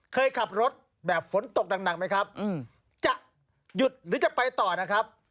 เคยขับรถแบบฝนตกหนักไหมครับจะหยุดหรือจะไปต่อนะครับ